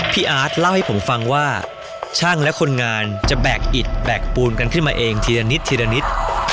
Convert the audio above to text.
อาร์ตเล่าให้ผมฟังว่าช่างและคนงานจะแบกอิดแบกปูนกันขึ้นมาเองทีละนิดทีละนิด